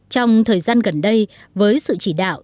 trong thời gian gần đây với sự chỉ đạo